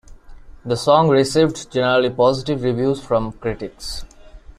The song received generally positive reviews from critics.